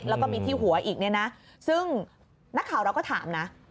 แล้วก็มีที่หัวอีกเนี่ยนะซึ่งนักข่าวเราก็ถามนะ